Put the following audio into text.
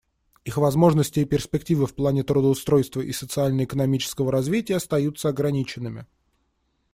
Их возможности и перспективы в плане трудоустройства и социально-экономического развития остаются ограниченными.